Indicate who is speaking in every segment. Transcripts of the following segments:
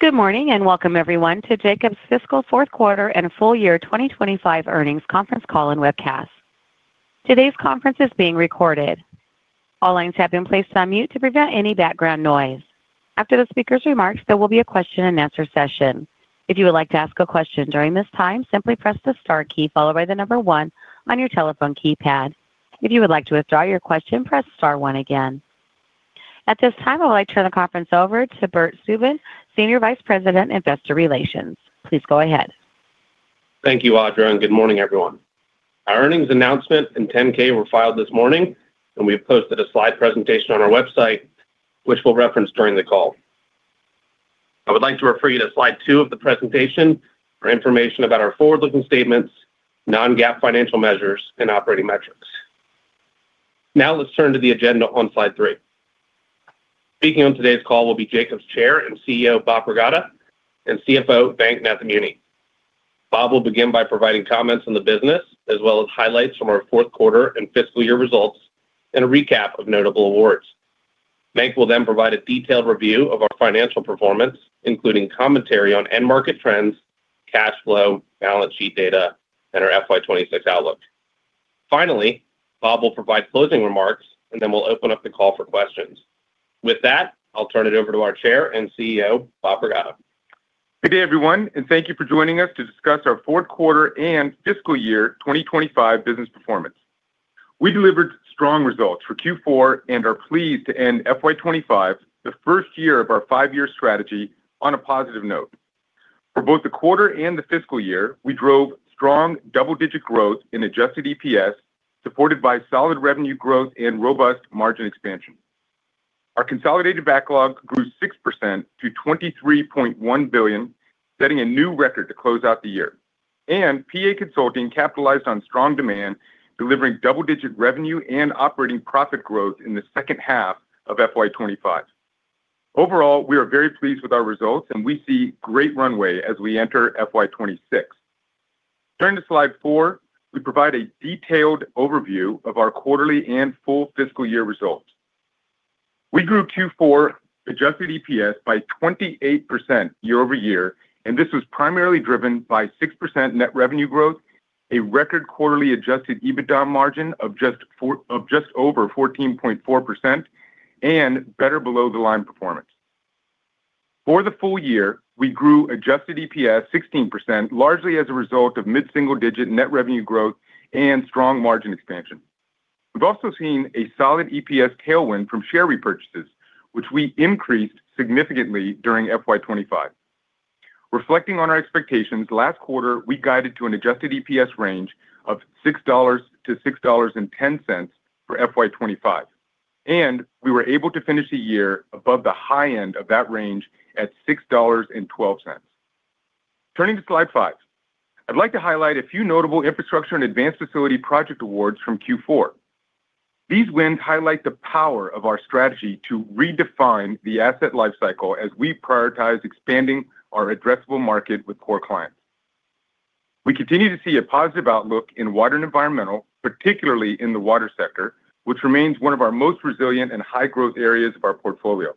Speaker 1: Good morning and welcome everyone to Jacobs Fiscal Fourth Quarter and Full Year 2025 Earnings Conference Call and Webcast. Today's conference is being recorded. All lines have been placed on mute to prevent any background noise. After the speaker's remarks, there will be a question and answer session. If you would like to ask a question during this time, simply press the star key followed by the number one on your telephone keypad. If you would like to withdraw your question, press star one again. At this time I would like to turn the conference over to Bert Subin, Senior Vice President, Investor Relations. Please go ahead.
Speaker 2: Thank you Audra and good morning everyone. Our earnings announcement and 10-K were filed this morning and we have posted a slide presentation on our website which we'll reference during the call.I would like to refer you to. Slide 2 of the presentation for information about our forward looking statements, non-GAAP financial measures and operating metrics. Now let's turn to the agenda on slide three. Speaking on today's call will be Jacobs' Chair and CEO Bob Pragada and CFO Venk Nathamuni. Bob will begin by providing comments on the business as well as highlights from our fourth quarter and fiscal year results and a recap of notable awards. Venk will then provide a detailed review of our financial performance including commentary on end market trends, cash flow, balance sheet data and our FY 2026 outlook. Finally, Bob will provide closing remarks and then we'll open up the call for questions. With that, I'll turn it over to our Chair and CEO Bob Pragada.
Speaker 3: Good day everyone and thank you for joining us to discuss our fourth quarter and fiscal year 2025 business performance. We delivered strong results for Q4 and are pleased to end FY 2025, the first year of our five year strategy. On a positive note, for both the quarter and the fiscal year we drove strong double-digit growth in adjusted EPS supported by solid revenue growth and robust margin expansion. Our consolidated backlog grew 6% to $23.1 billion, setting a new record to close out the year, and PA Consulting capitalized on strong demand, delivering double-digit revenue and operating profit growth in the second half of FY 2025. Overall, we are very pleased with our results and we see great runway as we enter FY2026. Turning to slide 4, we provide a detailed overview of our quarterly and full fiscal year results. We grew Q4 adjusted EPS by 28% year-over-year and this was primarily driven by 6% net revenue growth, a record quarterly adjusted EBITDA margin of just over 14.4% and better below the line performance for the full year. We grew adjusted EPS 16% largely as a result of mid single digit net revenue growth and strong margin expansion. We've also seen a solid EPS tailwind from share repurchases which we increased significantly during FY 2025. Reflecting on our expectations last quarter, we guided to an adjusted EPS range of $6-$6.10 for FY 2025 and we were able to finish the year above the high end of that range at $6.12. Turning to Slide 5, I'd like to highlight a few notable infrastructure and advanced facility project awards from Q4. These wins highlight the power of our strategy to redefine the asset life cycle as we prioritize expanding our addressable market with core clients. We continue to see a positive outlook in water and environmental, particularly in the water sector which remains one of our most resilient and high growth areas of our portfolio.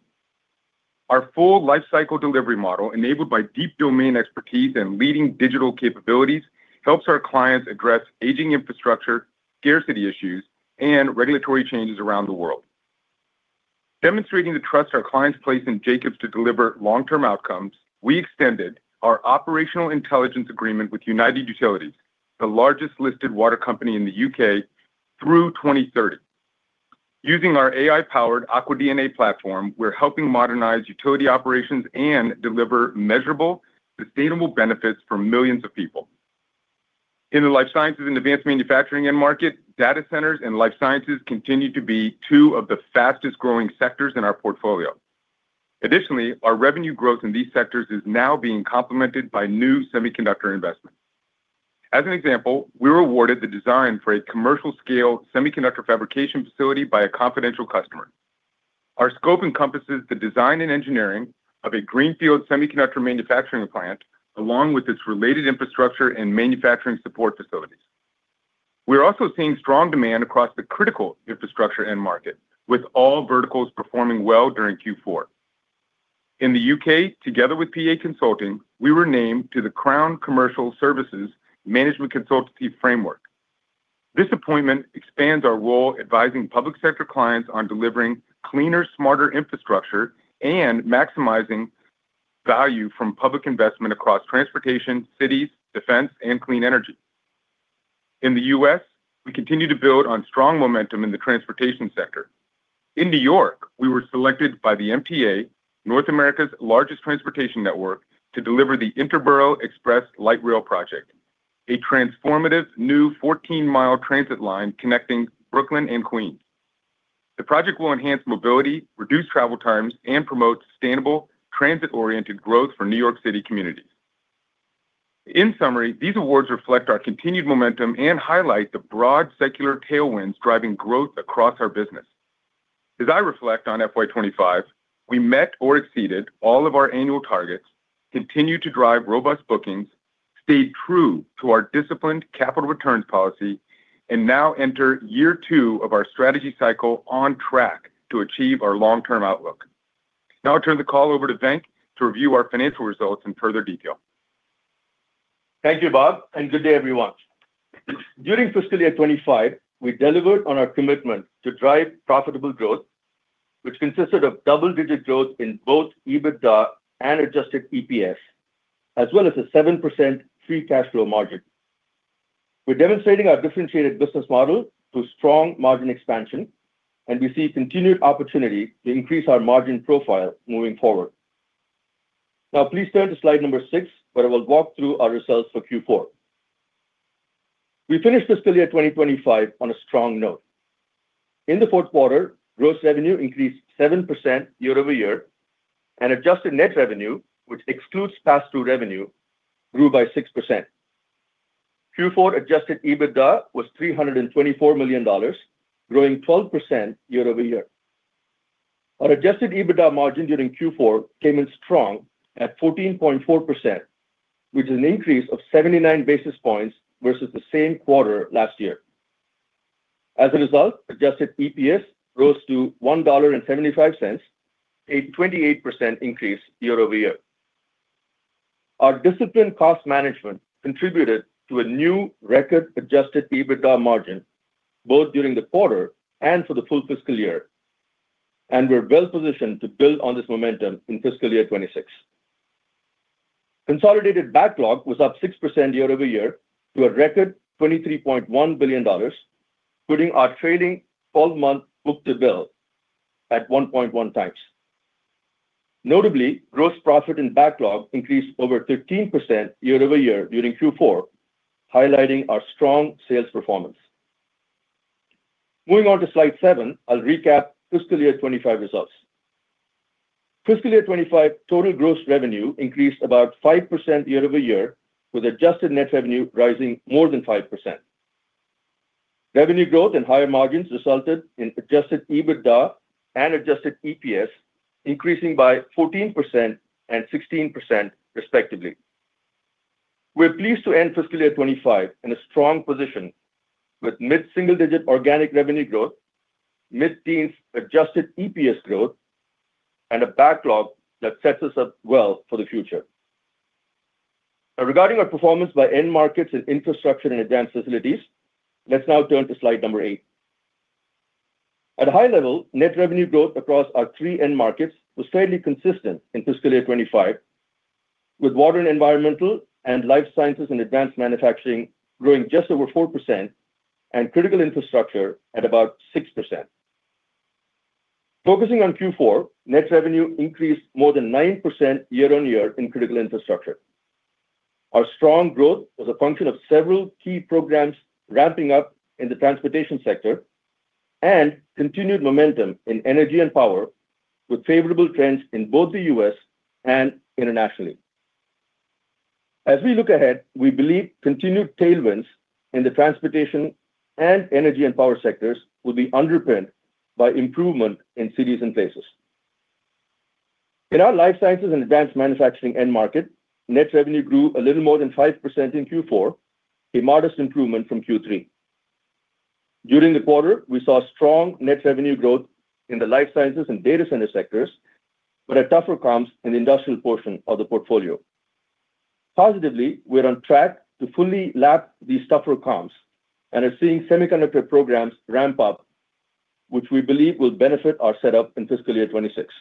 Speaker 3: Our full lifecycle delivery model, enabled by deep domain expertise and leading digital capabilities, helps our clients address aging, infrastructure scarcity issues and regulatory changes around the world. Demonstrating the trust our clients place in Jacobs to deliver long term outcomes we extended our Operational Intelligence agreement with United Utilities, the largest listed water company in the U.K. through 2030. Using our AI powered Aqua DNA platform, we're helping modernize utility operations and deliver measurable, sustainable benefits for millions of people in the life sciences and advanced manufacturing end market. Data centers and life sciences continue to be two of the fastest growing sectors in our portfolio. Additionally, our revenue growth in these sectors is now being complemented by new semiconductor investments. As an example, we were awarded the design for a commercial scale semiconductor fabrication facility by a confidential customer. Our scope encompasses the design and engineering of a greenfield semiconductor manufacturing plant along with its related infrastructure and manufacturing support facilities. We're also seeing strong demand across the critical infrastructure end market with all verticals performing well during Q4. In the U.K., together with PA Consulting, we were named to the Crown Commercial Services Management Consultancy Framework. This appointment expands our role advising public sector clients on delivering cleaner, smarter infrastructure and maximizing value from public investment across transportation, cities, defense and clean energy. In the U.S. we continue to build on strong momentum in the transportation sector. In New York, we were selected by the MTA, North America's largest transportation network, to deliver the Interborough Express Light Rail Project, a transformative new 14 mi transit line connecting Brooklyn and Queens. The project will enhance mobility, reduce travel times and promote sustainable transit oriented growth for New York City communities. In summary, these awards reflect our continued momentum and highlight the broad secular tailwinds driving growth across our business. As I reflect on FY 2025, we met or exceeded all of our annual targets, continued to drive robust bookings, stayed true to our disciplined capital returns policy, and now enter year two of our strategy cycle on track to achieve our long term outlook. Now I'll turn the call over to Venk to review our financial results in further detail.
Speaker 4: Thank you Bob and good day everyone. During fiscal year 2025 we delivered on our commitment to drive profitable growth which consisted of double-digit growth in both EBITDA and adjusted EPS as well as a 7% free cash flow margin. We're demonstrating our differentiated business model to strong margin expansion and we see continued opportunity to increase our margin profile moving forward. Now please turn to slide number 6 where I will walk through our results for Q4. We finished fiscal year 2025 on a strong note. In the fourth quarter, gross revenue increased 7% year-over-year and adjusted net revenue, which excludes pass-through revenue, grew by 6%. Q4 adjusted EBITDA was $324 million, growing 12% year-over-year. Our adjusted EBITDA margin during Q4 came in strong at 14.4% which is an increase of 79 basis points versus the same quarter last year. As a result, adjusted EPS rose to $1.75, a 28% increase year-over-year. Our disciplined cost management contributed to a new record adjusted EBITDA margin both during the quarter and for the full fiscal year and we're well positioned to build on this momentum. In fiscal year 2026, consolidated backlog was up 6% year-over-year to a record $23.1 billion, putting our trailing 12 month book-to-bill at 1.1x. Notably, gross profit and backlog increased over 13% year-over-year during Q4, highlighting our strong sales performance. Moving on to slide 7, I'll recap fiscal year 2025 results. Fiscal year 2025 total gross revenue increased about 5% year-over-year with adjusted net revenue rising more than 5%. Revenue growth and higher margins resulted in adjusted EBITDA and adjusted EPS increasing by 14% and 16% respectively. We're pleased to end fiscal year 2025 in a strong position with mid single digit organic revenue growth, mid teens adjusted EPS growth and a backlog that sets us up well for the future regarding our performance by end markets and infrastructure and advanced facilities. Let's now turn to slide number 8. At a high level, net revenue growth across our three end markets was fairly consistent in fiscal year 2025 with water and environmental and life sciences and advanced manufacturing growing just over 4% and critical infrastructure at about 6%. Focusing on Q4, net revenue increased more than 9% year-on-year in critical infrastructure. Our strong growth was a function of several key programs ramping up in the transportation sector and continued momentum in energy and power, with favorable trends in both the U.S. and internationally. As we look ahead, we believe continued tailwinds in the transportation and energy and power sectors will be underpinned by improvement in cities and places. In our life sciences and advanced manufacturing end market, net revenue grew a little more than 5% in Q4, a modest improvement from Q3. During the quarter, we saw strong net revenue growth in the life sciences and data center sectors, but at tougher comps in the industrial portion of the portfolio. Positively, we're on track to fully lap these tougher comps and are seeing semiconductor programs ramp up which we believe will benefit our setup in fiscal year 2026.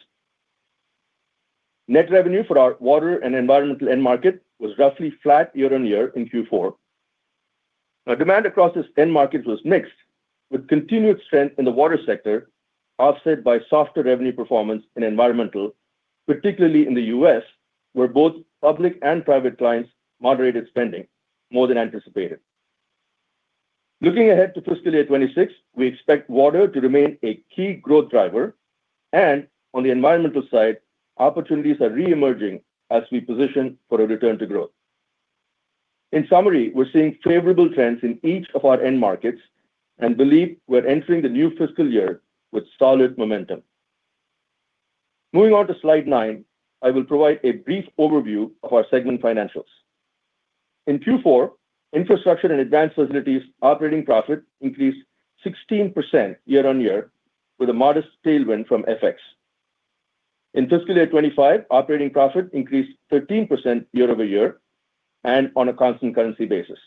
Speaker 4: Net revenue for our water and environmental end market was roughly flat year on year in Q4. Demand across this end market was mixed with continued strength in the water sector offset by softer revenue performance in environmental, particularly in the U.S. where both public and private clients moderated spending more than anticipated. Looking ahead to fiscal year 2026, we expect water to remain a key growth driver and on the environmental side, opportunities are reemerging as we position for a return to growth. In summary, we're seeing favorable trends in each of our end markets and believe we're entering the new fiscal year with solid momentum. Moving on to slide 9, I will provide a brief overview of our Segment Financials. In Q4, Infrastructure and Advanced Facilities operating profit increased 16% year-on-year with a modest tailwind from FX. In fiscal year 2025, operating profit increased 13% year-over-year and on a constant currency basis.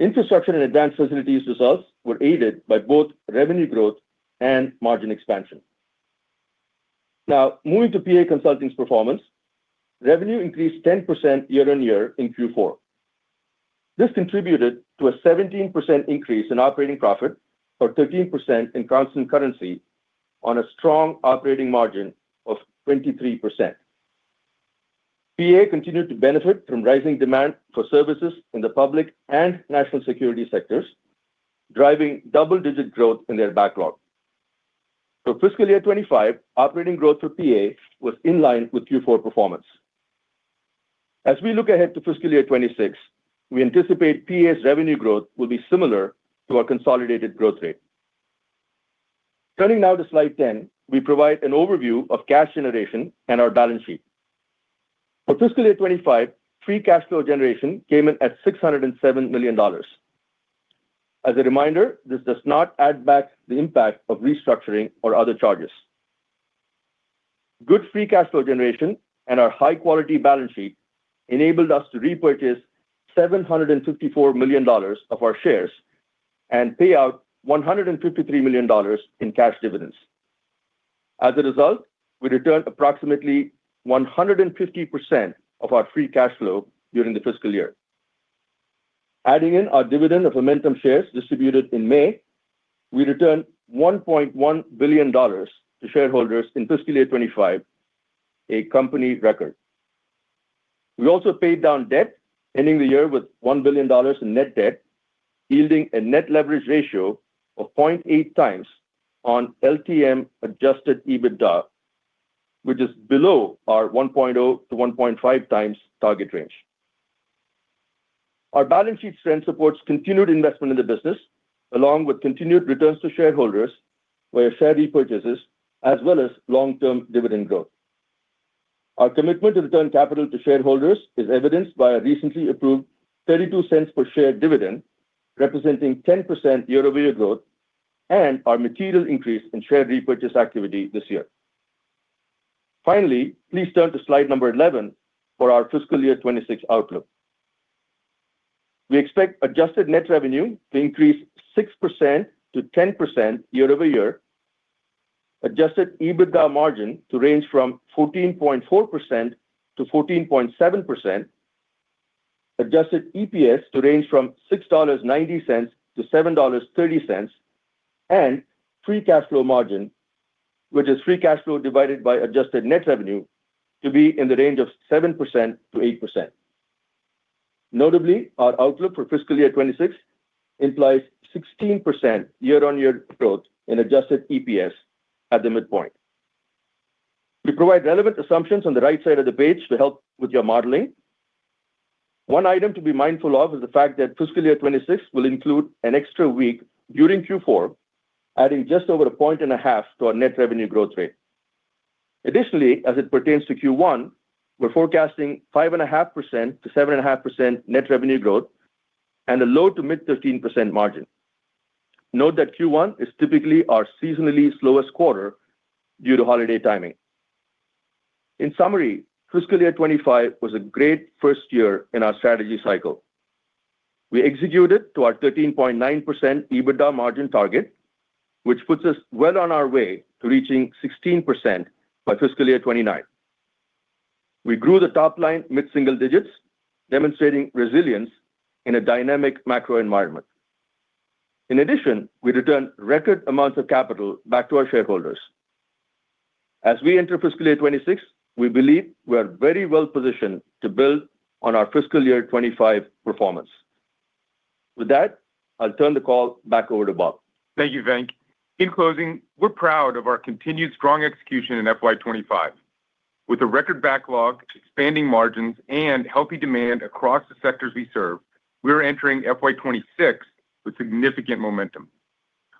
Speaker 4: Infrastructure and advanced facilities results were aided by both revenue growth and margin expansion. Now moving to PA Consulting's performance, revenue increased 10% year-on-year in Q4. This contributed to a 17% increase in operating profit or 13% in constant currency on a strong operating margin of 23%. PA continued to benefit from rising demand for services in the public and national security sectors, driving double digit growth in their backlog. For fiscal year 2025, operating growth for PA was in line with Q4 performance. As we look ahead to fiscal year 2026, we anticipate PA's revenue growth will be similar to our consolidated growth rate. Turning now to slide 10, we provide an overview of cash generation and our balance sheet for fiscal year 2025. Free cash flow generation came in at $607 million. As a reminder, this does not add back the impact of restructuring or other charges. Good free cash flow generation and our high quality balance sheet enabled us to repurchase $754 million of our shares and pay out $153 million in cash dividends. As a result, we returned approximately 150% of our free cash flow during the fiscal year. Adding in our dividend of momentum shares distributed in May, we returned $1.1 billion to shareholders in fiscal year 2025, a company record. We also paid down debt, ending the year with $1 billion in net debt, yielding a net leverage ratio of 0.8x on LTM adjusted EBITDA, which is below our 1.0x-1.5x target range. Our balance sheet strength supports continued investment in the business along with continued returns to shareholders via share repurchases as well as long term dividend growth. Our commitment to return capital to shareholders is evidenced by a recently approved $0.32 per share dividend representing 10% year-over-year growth and our material increase in share repurchase activity this year. Finally, please turn to slide number 11 for our fiscal year 2026 outlook. We expect adjusted net revenue to increase 6%-10% year-over-year, adjusted EBITDA margin to range from 14.4%-14.7%, adjusted EPS to range from $6.90-$7.30 and free cash flow margin, which is free cash flow divided by adjusted net revenue, to be in the range of 7%-8%. Notably, our outlook for fiscal year 2026 implies 16% year-on-year growth in adjusted EPS. At the midpoint, we provide relevant assumptions on the right side of the page to help with your modeling. One item to be mindful of is the fact that fiscal year 2026 will include an extra week during Q4, adding just over a point and a half to our net revenue growth rate. Additionally, as it pertains to Q1, we're forecasting 5.5%-7.5% net revenue growth and a low to mid 13% margin. Note that Q1 is typically our seasonally slowest quarter due to holiday timing. In summary, fiscal year 2025 was a great first year in our strategy cycle. We executed to our 13.9% EBITDA margin target, which puts us well on our way to reaching 16% by fiscal year 2029. We grew the top line mid single digits, demonstrating resilience in a dynamic macro environment. In addition, we returned record amounts of capital back to our shareholders. As we enter fiscal year 2026, we believe we are very well positioned to build on our fiscal year 2025 performance. With that, I'll turn the call back over to Bob.
Speaker 3: Thank you, Venk. In closing, we're proud of our continued strong execution in FY 2025. With a record backlog, expanding margins, and healthy demand across the sectors we serve, we're entering FY 2026 with significant momentum.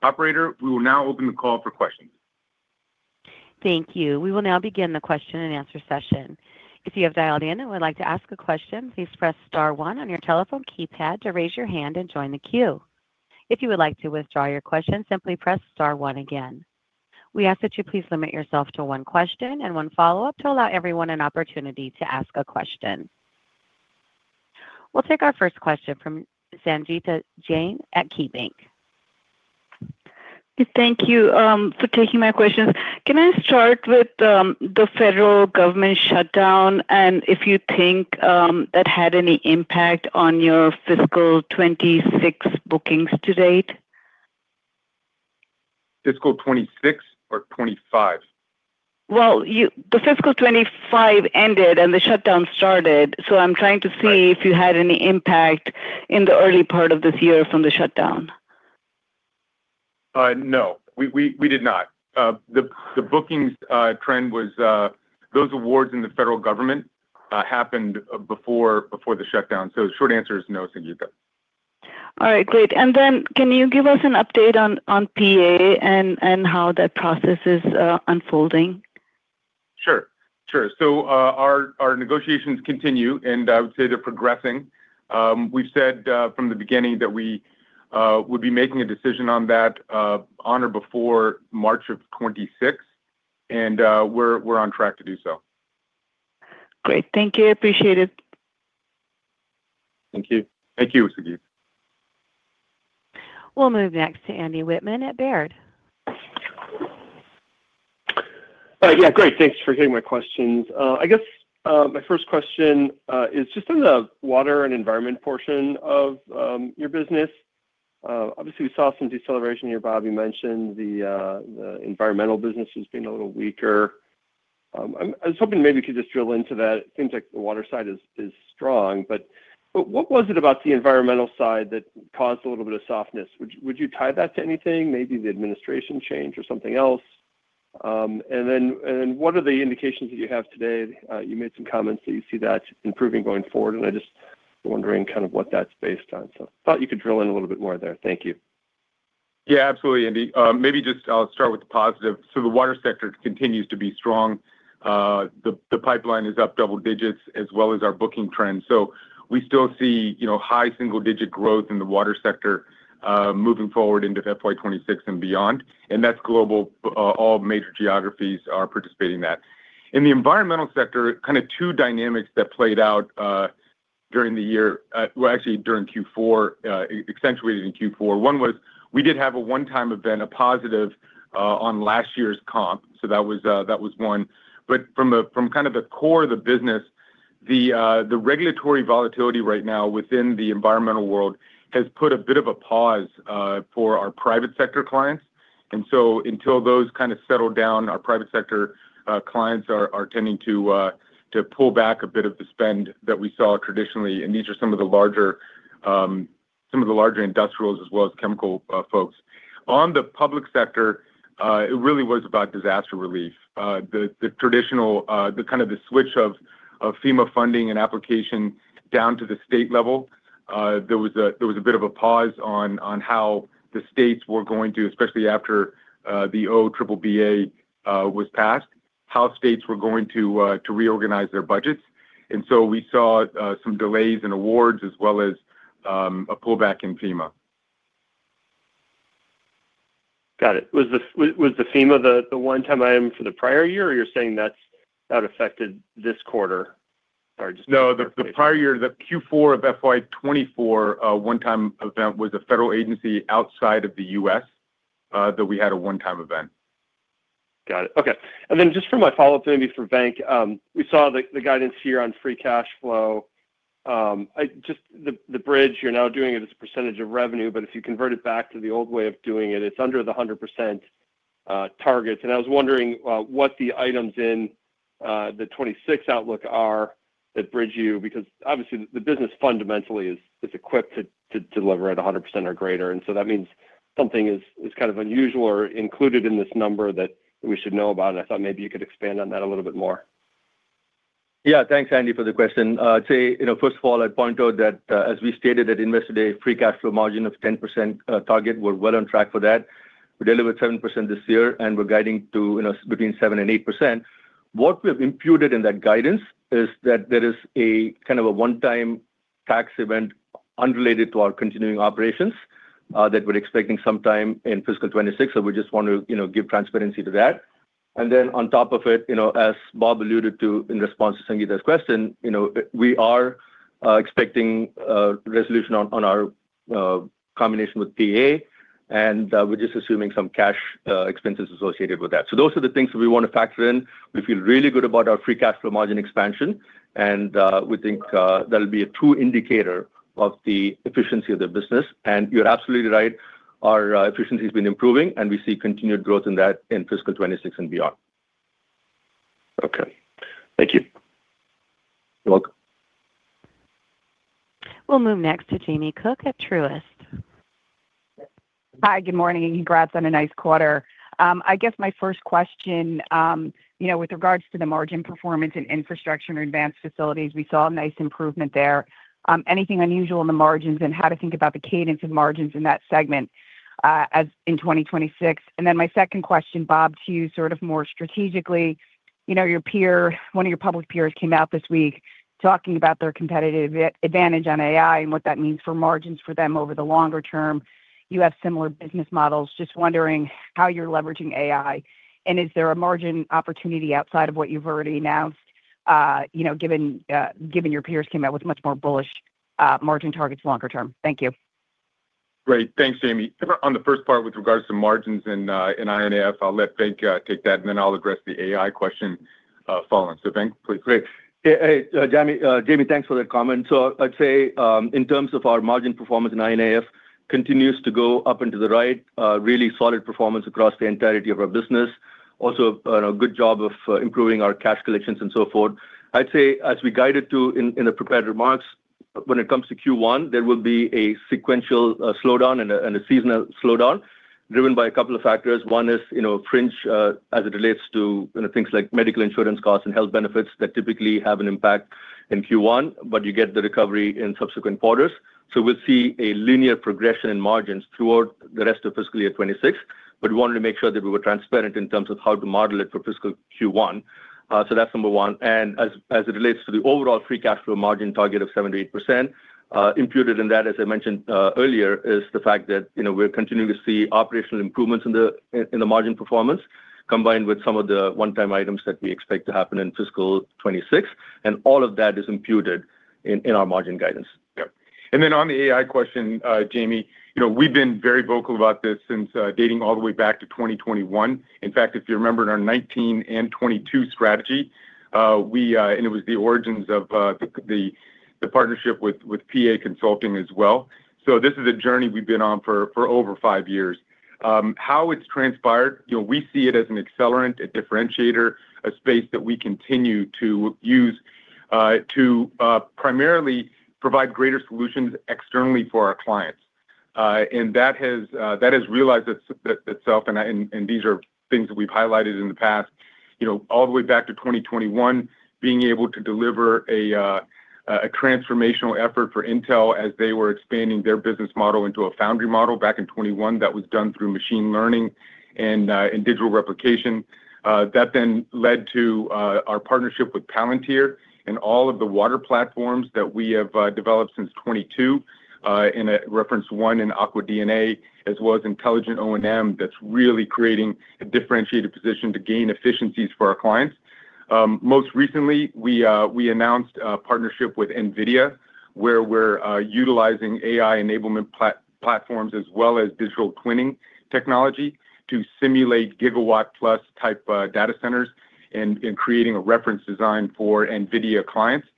Speaker 3: Operator, we will now open the call for questions.
Speaker 1: Thank you. We will now begin the question and answer session. If you have dialed in and would like to ask a question, please press star one on your telephone keypad to raise your hand and join the queue. If you would like to withdraw your question, simply press star one. Again, we ask that you please limit yourself to one question and one follow up to allow everyone an opportunity to ask a question. We'll take our first question from Sangita Jain at KeyBanc.
Speaker 5: Thank you for taking my questions. Can I start with the federal government shutdown and if you think that had any impact on your fiscal 2026 bookings to date?
Speaker 3: Fiscal 2026 or 2025?
Speaker 5: The fiscal 2025 ended and the shutdown started. I'm trying to see if you had any impact in the early part of this year from the shutdown.
Speaker 3: No, we did not. The bookings trend was those awards in the federal government happened before the shutdown. The short answer is no. Sangita.
Speaker 5: All right, great. Can you give us an update on PA and how that process is unfolding?
Speaker 3: Sure, sure. Our negotiations continue, and I would say they're progressing. We've said from the beginning that we would be making a decision on that honor before March of 2026, and we're on track to do so.
Speaker 5: Great. Thank you. Appreciate it.
Speaker 3: Thank you. Thank you, Sangita.
Speaker 1: We'll move next to Andrew Wittmann at Baird.
Speaker 6: Yeah, great. Thanks for hearing my questions. I guess my first question is just on the water and environment portion of your business. Obviously, we saw some deceleration here. Bob, you mentioned the environmental business has been a little weaker. I was hoping maybe you could just drill into that. It seems like the water side is strong, but what was it about the environmental side that caused a little bit of softness? Would you tie that to anything? Maybe the administration change or something else? What are the indications that you have today? You made some comments that you see that improving going forward, and I just wondering kind of what that's based on. I thought you could drill in a little bit more there. Thank you.
Speaker 3: Yeah, absolutely. Andy, maybe just I'll start with the positive. The water sector continues to be strong. The pipeline is up double digits as well as our booking trend. We still see high single digit growth in the water sector moving forward into FY2026 and beyond. That is global. All major geographies are participating in that. In the environmental sector, kind of two dynamics that played out during the year. Actually during Q4, accentuated in Q4, one was we did have a one time event, a positive on last year's comp. That was one. From kind of the core of the business, the regulatory volatility right now within the environmental world has put a bit of a pause for our private sector clients. Until those kind of settle down, our private sector clients are tending to pull back a bit of the spend that we saw traditionally. These are some of the larger industrials as well as chemical folks. On the public sector, it really was about disaster relief. The traditional, the kind of the switch of FEMA funding and application down to the state level. There was a bit of a pause on how the states were going to, especially after the OABBA was passed, how states were going to reorganize their budgets. We saw some delays in awards as well as a pullback in FEMA.
Speaker 7: Got it. Was the FEMA the one time item for the prior year or you're saying that affected this quarter?
Speaker 3: No, the prior year, the Q4 of FY2024 one-time event was a federal agency outside of the U.S. that we had a one-time event.
Speaker 6: Got it. Okay. And then just for my follow up, maybe for Venk, we saw the guidance here on free cash flow. Just the bridge. You're now doing it as a percentage of revenue, but if you convert it back to the old way of doing it, it's under the 100% targets. I was wondering what the items in the 2026 outlook are at Bridgeview, because obviously the business fundamentally is equipped to deliver at 100% or greater. That means something is kind of unusual or included in this number that we should know about. I thought maybe you could expand on that a little bit more.
Speaker 4: Yeah, thanks Andy, for the question. I'd say. You know, first of all, I point out that as we stated at Investor Day, free cash flow margin of 10% target, we're well on track for that. We delivered 7% this year and we're guiding to between 7% and 8%. What we have imputed in that guidance is that there is a kind of a one time tax event unrelated to our continuing operations that we're expecting sometime in fiscal 2026. We just want to give transparency to that. On top of it, as Bob alluded to in response to Sangita's question, we are expecting resolution on our combination with PA and we're just assuming some cash expenses associated with that. Those are the things that we want to factor in. We feel really good about our free cash flow margin expansion and we think that'll be a true indicator of the efficiency of the business. You're absolutely right. Our efficiency has been improving and we see continued growth in that in fiscal 2026 and beyond.
Speaker 6: Okay, thank you.
Speaker 4: You're welcome.
Speaker 1: We'll move next to Jamie Cook at Truist.
Speaker 8: Hi, good morning and congrats on a nice quarter. I guess my first question, you know, with regards to the margin performance in infrastructure and advanced facilities, we saw a nice improvement there. Anything unusual in the margins and how to think about the cadence of margins in that segment as in 2026. My second question, Bob, to you sort of more strategically, you know, your peer, one of your public peers came out this week talking about their competitive advantage on AI and what that means for margins for them over the longer term. You have similar business models. Just wondering how you're leveraging AI and is there a margin opportunity outside of what you've already announced? You know, given your peers came out with much more bullish margin targets longer term. Thank you.
Speaker 3: Great. Thanks, Jamie. On the first part with regards to margins in INAF, I'll let Venk take that and then I'll address the AI question following, so Venk, please.
Speaker 4: Hey Jamie, thanks for that comment. I'd say in terms of our margin performance, it continues to go up and to the right, really solid performance across the entirety of our business. Also a good job of improving our cash collections and so forth. I'd say as we guided to in the prepared remarks, when it comes to Q1, there will be a sequential slowdown and a seasonal slowdown driven by a couple of factors. One is, you know, fringe as it relates to things like medical insurance costs and health benefits that typically have an impact in Q1, but you get the recovery in subsequent quarters. We'll see a linear progression in margins throughout the rest of fiscal year 2026. We wanted to make sure that we were transparent in terms of how to model it for fiscal Q1. That's number one. As it relates to the overall free cash flow margin target of 7%-8%, imputed in that, as I mentioned earlier, is the fact that, you know, we're continuing to see operational improvements in the margin performance combined with some of the one-time items that we expect to happen in fiscal 2026. All of that is imputed in our margin guidance.
Speaker 3: Yeah. And then on the AI question, Jamie, you know, we've been very vocal about this since dating all the way back to 2021. In fact, if you remember, in our 2019 and 2022 strategy we, and it was the origins of the partnership with PA Consulting as well. This is a journey we've been on for over five years, how it's transpired. You know, we see it as an accelerant, a differentiator, a space that we continue to use to primarily provide greater solutions externally for our clients. That has realized itself. These are things that we've highlighted in the past. You know, all the way back to 2021, being able to deliver a transformational effort for Intel as they were expanding their business model into a foundry model back in 2021. That was done through machine learning and digital replication. That then led to our partnership with Palantir and all of the water platforms that we have developed since 2022 in reference one in Aqua DNA as well as intelligent O&M. That's really creating a differentiated position to gain efficiencies for our clients. Most recently, we announced a partnership with Nvidia where we're utilizing AI enablement platforms as well as digital twinning technology to simulate gigawatt plus technology type data centers and creating a reference design for Nvidia clients.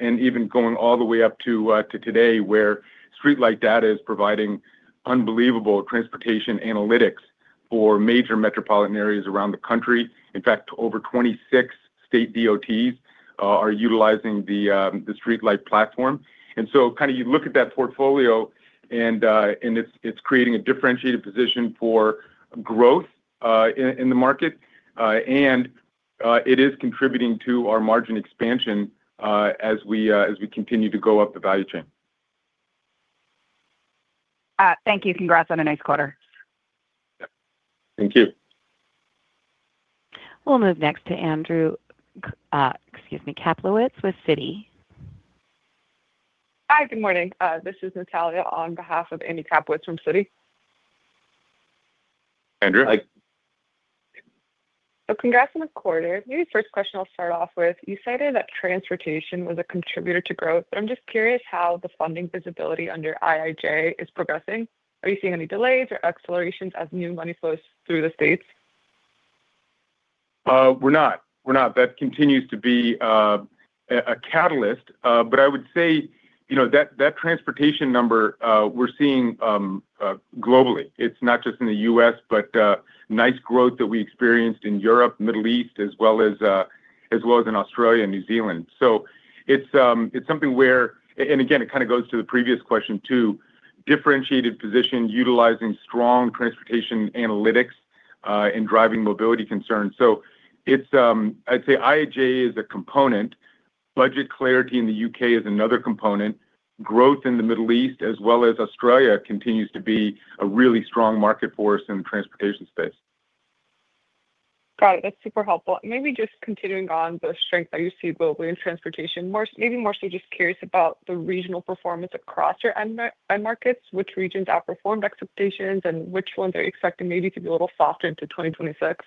Speaker 3: Even going all the way up to today where StreetLight Data is providing unbelievable transportation analytics for major metropolitan areas around the country. In fact, over 2026 state DOTs are utilizing the StreetLight platform. You look at that portfolio and it's creating a differentiated position for growth in the market and it is contributing to our margin expansion as we continue to go up the value chain.
Speaker 8: Thank you. Congrats on a nice quarter.
Speaker 3: Thank you.
Speaker 1: We'll move next to Andrew, excuse me, Kaplowitz with Citi. Hi, good morning, this is Natalia on behalf of Andy Kaplowitz from Citi.
Speaker 4: Andrew. Congrats on the quarter. Maybe first question I'll start off with. You cited that transportation was a contributor to growth, but I'm just curious how the funding visibility under IHA is progressing. Are you seeing any delays or accelerations as new money flows through the states?
Speaker 3: We're not. That continues to be a catalyst. I would say, you know, that transportation number we're seeing globally, it's not just in the U.S. but nice growth that we experienced in Europe, Middle East as well as in Australia and New Zealand. It's something where, and again, it kind of goes to the previous question too. Differentiated position, utilizing strong transportation analytics in driving mobility concerns. I'd say IHA is a component. Budget clarity in the UK is another component. Growth in the Middle East as well as Australia continues to be a really strong market for us in the transportation space. Got it. That's super helpful. Maybe just continuing on the strength that you see globally in transportation, maybe more so just curious about the regional performance across your end markets. Which regions outperformed expectations and which ones are you expecting maybe to be a little softer into 2026?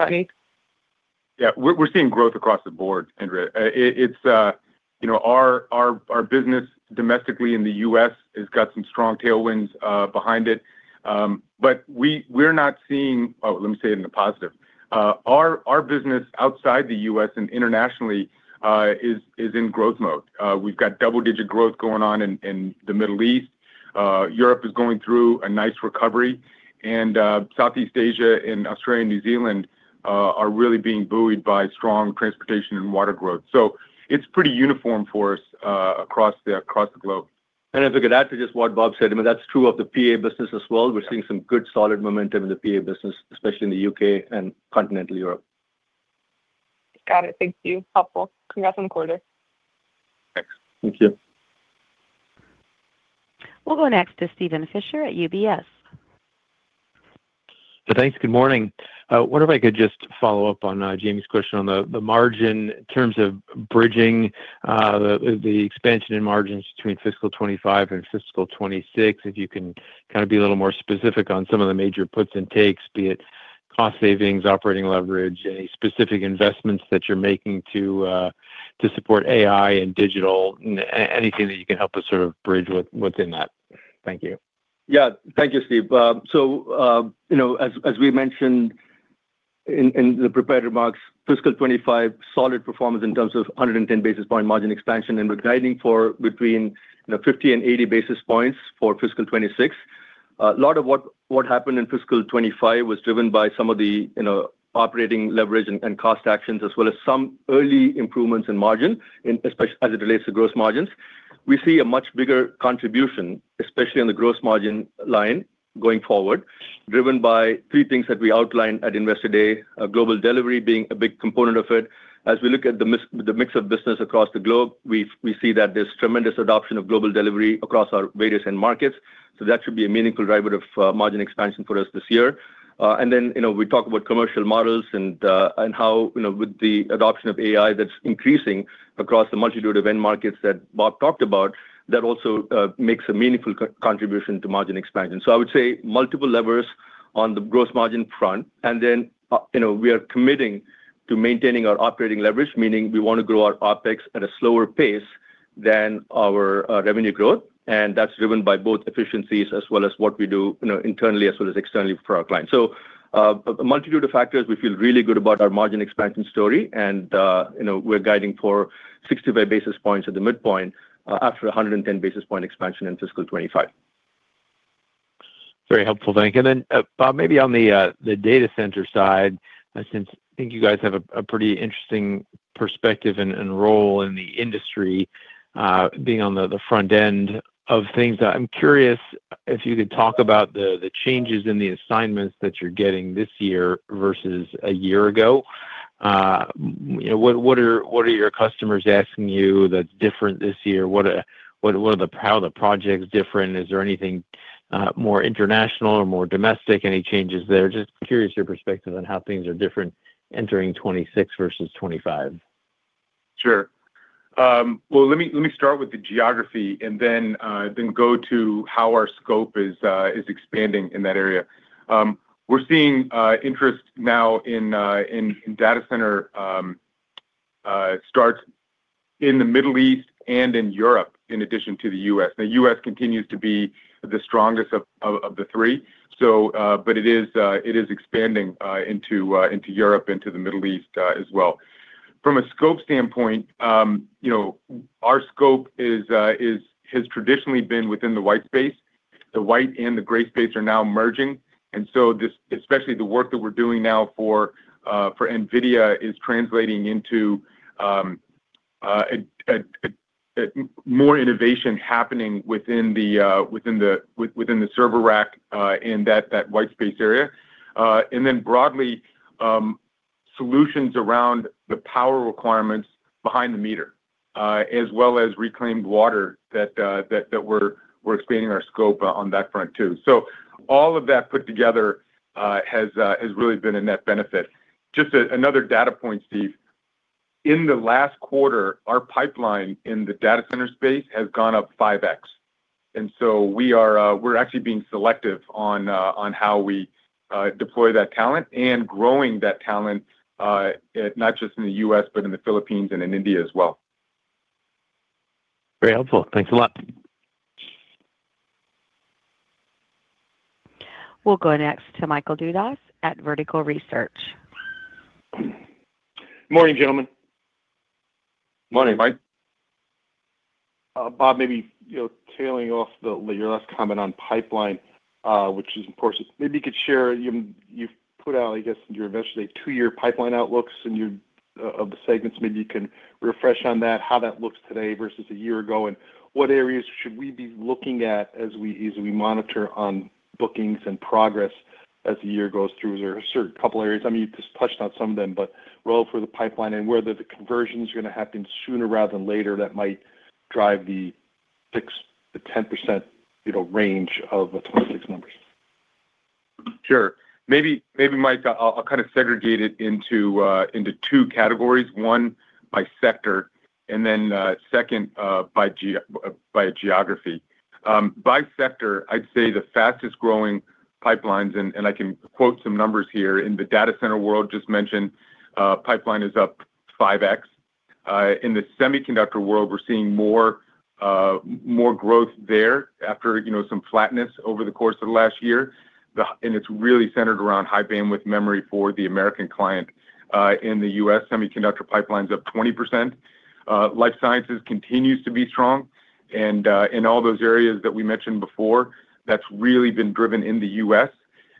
Speaker 3: Yeah, we're seeing growth across the board, Andrew. It's, you know, our business domestically in the U.S. has got some strong tailwinds behind it, but we're not seeing, let me say it in the positive. Our business outside the US and internationally is in growth mode. We've got double-digit growth going on in the Middle East. Europe is going through a nice recovery and Southeast Asia and Australia and New Zealand are really being buoyed by strong transportation and water growth. It is pretty uniform for us across the globe.
Speaker 4: If I could add to just what Bob said, I mean that's true of the PA business as well. We're seeing some good solid momentum in the PA business, especially in the U.K. and continental Europe. Got it. Thank you. Helpful. Congrats on the quarter.
Speaker 3: Thanks.
Speaker 4: Thank you.
Speaker 1: We'll go next to Steven Fisher at UBS.
Speaker 9: Thanks. Good morning. What if I could just follow up on Jamie's question on the margin in terms of bridging the expansion in margins between fiscal 2025 and fiscal 2026. If you can kind of be a little more specific on some of the major puts and takes, be it cost savings, operating leverage, any specific investments that you're making to support AI and digital. Anything that you can help us sort of bridge within that. Thank you.
Speaker 3: Yeah, thank you, Steve. Bob. You know, as we mentioned in the prepared remarks, fiscal 2025 solid performance in terms of 110 basis point margin expansion and we're guiding for between 50 basis points and 80 basis points for fiscal 2026. A lot of what happened in fiscal 2025 was driven by some of the operating leverage and cost actions as well as some early improvements in margin. As it relates to gross margins, we see a much bigger contribution especially on the gross margin line going forward, driven by three things that we outlined at investor day. Global delivery being a big component of it. As we look at the mix of business across the globe, we see that there's tremendous adoption of global delivery across our various end markets. That should be a meaningful driver of margin expansion for us this year. You know, we talk about commercial models and how with the adoption of AI that's increasing across the multitude of end markets that Bob talked about, that also makes a meaningful contribution to margin expansion. I would say multiple levers on the gross margin front and you know, we are committing to maintaining our operating leverage, meaning we want to grow our OpEx at a slower pace than our revenue growth. That is driven by both efficiencies as well as what we do internally as well as externally for our clients. A multitude of factors. We feel really good about our margin expansion story and you know, we're guiding for 65 basis points at the midpoint after 110 basis point expansion in fiscal 2025.
Speaker 9: Very helpful. Bob, maybe on the data center side, since I think you guys have a pretty interesting perspective and role in the industry being on the front end of things, I'm curious if you could talk about the changes in the assignments that you're getting this year versus a year ago. What are your customers asking you that's different this year? How the project? Is there anything more international or more domestic? Any changes there? Just curious your perspective on how things are different. Entering 2026 versus 2025.
Speaker 3: Sure. Let me start with the geography and then go to how our scope is expanding in that area. We're seeing interest now in data center starts in the Middle East and in Europe in addition to the U.S. The U.S. continues to be the strongest of the three, but it is expanding into Europe, into the Middle East as well. From a scope standpoint, you know, our scope has traditionally been within the white space. The white and the gray space are now merging. This, especially the work that we're doing now for Nvidia, is translating into more innovation happening within the server rack in that white space area and then broadly solutions around the power requirements behind the meter as well as reclaimed water that we're expanding our scope on that front too. All of that put together has really been a net benefit. Just another data point, Steve. In the last quarter our pipeline in the data center space has gone up 5x and so we're actually being selective on how we deploy that talent and growing that talent not just in the U.S. but in the Philippines and in India as well.
Speaker 9: Very helpful, thanks a lot.
Speaker 1: We'll go next to Michael Dudas at Vertical Research.
Speaker 10: Morning gentlemen.
Speaker 4: Morning, Mike.
Speaker 10: Bob, maybe you know, tailing off your. Last comment on pipeline, which is important, maybe you could share you've put out, I guess, your investor day two year. Pipeline outlooks and you of the segments. Maybe you can refresh on that, how? That looks today versus a year ago. What areas should we be looking at as we monitor on bookings? Progress as the year goes through. Is there a certain couple areas? I mean you just touched on some of them, but roll for the pipeline. Whether the conversions are gonna happen sooner rather than later, that might drive the 10% range of 2026 numbers.
Speaker 3: Sure, maybe Mike. I'll kind of segregate it into two categories, one by sector and then second by geography. By sector I'd say the fastest growing pipelines and I can quote some numbers here in the data center world just mentioned, pipeline is up 5x in the semiconductor world. We're seeing more growth there after some flatness over the course of the last year. It's really centered around high bandwidth memory for the American client. In the U.S. semiconductor pipeline is up 20%. Life sciences continues to be strong and in all those areas that we mentioned before, that's really been driven in the U.S.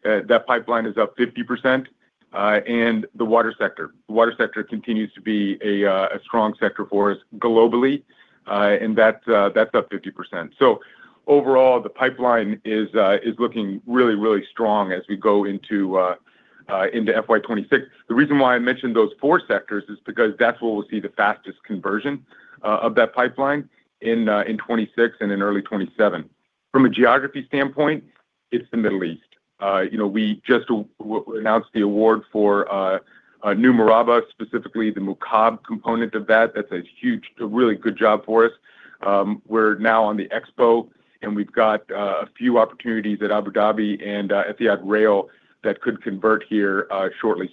Speaker 3: that pipeline is up 50%. The water sector continues to be a strong sector for us globally and that's up 50%. Overall the pipeline is looking really, really strong as we go into FY2026. The reason why I mentioned those four sectors is because that's where we'll see the fastest conversion of that pipeline in 2026 and in early 2027. From a geography standpoint, it's the Middle East. You know, we just announced the award for New Murabba, specifically the Mukaab component of that. That's a huge, really good job for us. We're now on the Expo and we've got a few opportunities at Abu Dhabi and Etihad Rail that could convert here shortly.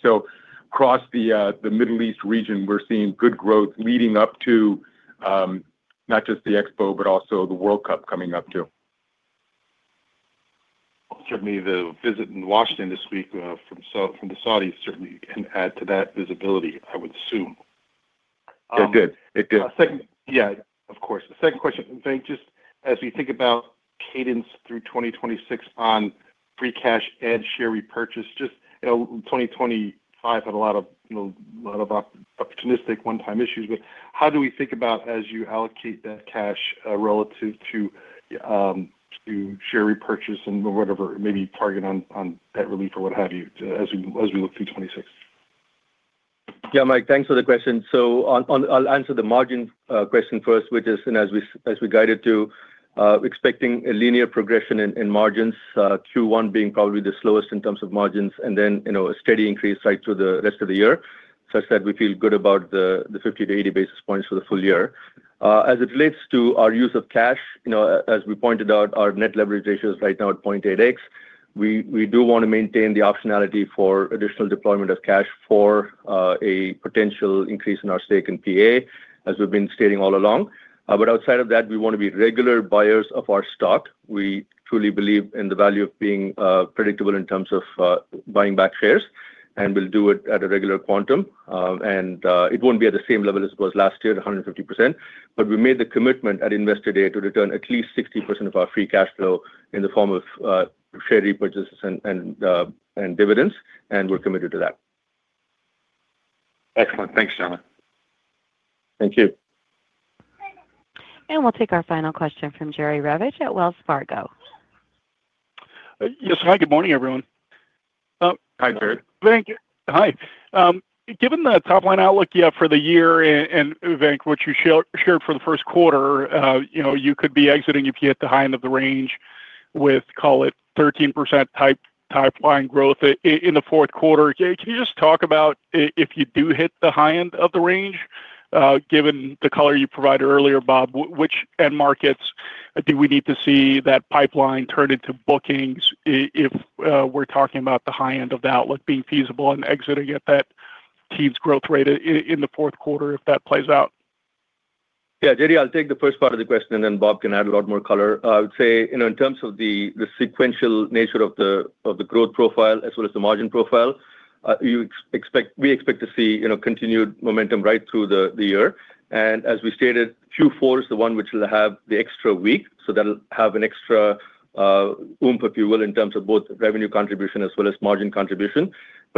Speaker 3: Across the Middle East region we're seeing good growth leading up to not just the Expo but also the World Cup coming up too.
Speaker 10: Certainly the visit in Washington this week from the Saudis certainly can add to that visibility. I would assume.
Speaker 4: It did.
Speaker 3: It did, yeah.
Speaker 10: Of course the second question, just as. We think about cadence through 2026 on. Free cash and share repurchase, just, you know, 2025 had a lot of opportunistic. One time issues, but how do we. Think about as you allocate that cash relative to share repurchase and whatever, maybe. Target on debt relief or what have. You, as we look through 26.
Speaker 4: Yeah, Mike, thanks for the question. I'll answer the margin question first, which is and as we guided to expecting a linear progression in margins, Q1 being probably the slowest in terms of margins and then a steady increase right through the rest of the year such that we feel good about the 50 basis points-80 basis points for the full year as it relates to our use of cash. As we pointed out, our net leverage ratio is right now at 0.8x. We do want to maintain the optionality for additional deployment of cash for a potential increase in our stake in PA as we've been stating all along. Outside of that we want to be regular buyers of our stock. We truly believe in the value of being predictable in terms of buying back shares and we'll do it at a regular quantum and it won't be at the same level as it was last year, 150%. We made the commitment at investor day to return at least 60% of our free cash flow in the form of share repurchases and dividends. We're committed to that.
Speaker 10: Excellent. Thanks, so much.
Speaker 4: Thank you.
Speaker 1: We will take our final question from Jerry Revich at Wells Fargo.
Speaker 11: Yes. Hi. Good morning everyone.
Speaker 3: Hi Jerry.
Speaker 11: Thank you. Hi. Given the top line outlook yet for the year and Venk, what you shared for the first quarter, you know you. Could be exciting if you hit the. High end of the range with, call it, 13% type pipeline growth in the fourth quarter. Can you just talk about if you do hit the high end of the range, given the color you provided earlier, Bob, which end markets do we need to see that pipeline turn into bookings? If we're talking about the high end of the outlook being feasible and exiting at that teens growth rate in the fourth quarter if that plays out.
Speaker 4: Yeah. Jerry, I'll take the first part of the question and then Bob can add a lot more color. I would say in terms of the sequential nature of the growth profile as well as the margin profile, you expect, we expect to see continued momentum right through the year. As we stated, Q4 is the one which will have the extra week. That will have an extra oomph, if you will, in terms of both revenue contribution as well as margin contribution.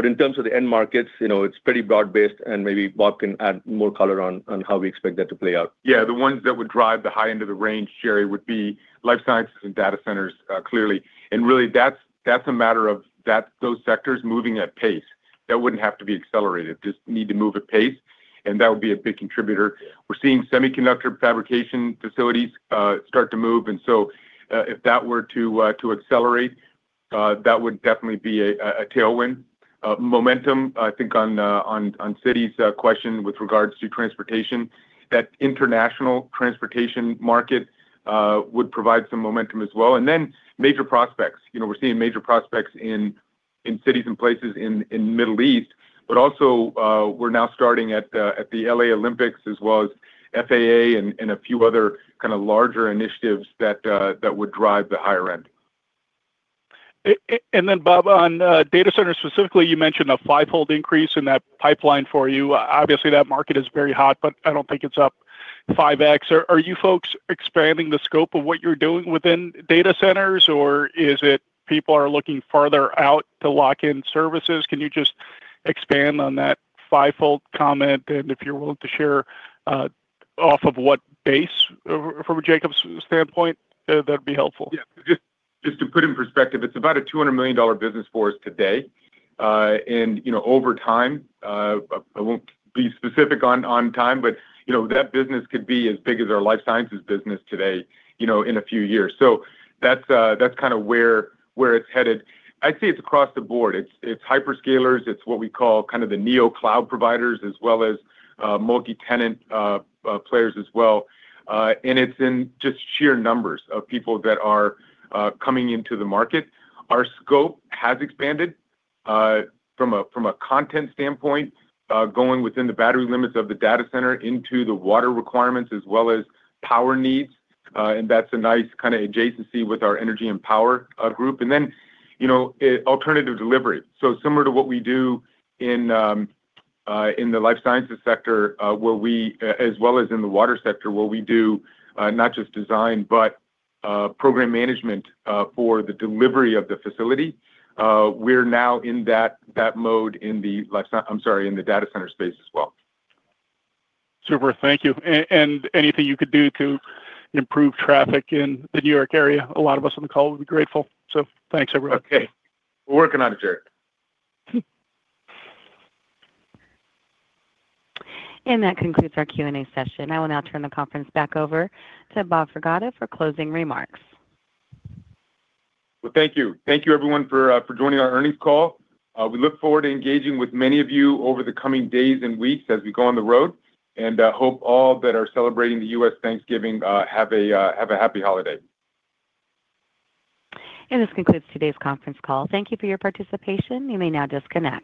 Speaker 4: In terms of the end markets, you know, it's pretty broad based and maybe Bob can add more color on how we expect that to play out.
Speaker 3: Yeah, the ones that would drive the high end of the range, Jerry, would be life sciences and data centers clearly. That's a matter of those sectors moving at pace, that wouldn't have to be accelerated, just need to move at pace and that would be a big contributor. We're seeing semiconductor fabrication facilities start to move and if that were to accelerate, that would definitely be a tailwind momentum. I think on Citi's question with regards to transportation, that international transportation market would provide some momentum as well. Major prospects, you know, we're seeing major prospects in cities and places in Middle East, but also we're now starting at the LA Olympics as well as FAA and a few other kind of larger initiatives that would drive the higher end.
Speaker 11: Bob, on data center specifically. You mentioned a fivefold increase in that pipeline for you. Obviously that market is very hot, but I do not think it is up 5x. Are you folks expanding the scope of what you are doing within data centers or is it people are looking farther out to lock in services? Can you just expand on that fivefold comment and if you are willing to share off of what base from Jacobs standpoint, that would be helpful.
Speaker 3: Just to put in perspective, it's about a $200 million business for us today and you know, over time, I won't be specific on time but you know that business could be as big as our life sciences business today, you know, in a few years. That's kind of where it's headed. I'd say it's across the board, it's hyperscalers, it's what we call kind of the NEO cloud providers as well as multi tenant players as well. It's in just sheer numbers of people that are coming into the market. Our scope has expanded from a, from a content standpoint, going within the battery limits of the data center, into the water requirements as well as power needs. That's a nice kind of adjacency with our energy and power group and then you know, alternative delivery. Similar to what we do in the life sciences sector where we, as well as in the water sector where we do not just design but program management for the delivery of the facility, we are now in that mode in the life, I am sorry, in the data center space as well.
Speaker 11: Super, thank you. Anything you could do to improve traffic in the New York area, a lot of us on the call would be grateful. Thanks, everyone.
Speaker 3: Okay, we're working on it.J.
Speaker 1: That concludes our Q and A session. I will now turn the conference back over to Bob Pragada for closing remarks.
Speaker 3: Thank you. Thank you, everyone, for joining our earnings call. We look forward to engaging with many of you over the coming days and weeks as we go on the road and hope all that are celebrating the U.S. Thanksgiving have a happy holiday.
Speaker 1: This concludes today's conference call. Thank you for your participation. You may now disconnect.